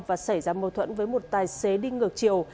và xảy ra mâu thuẫn với một tài xế đi ngược chiều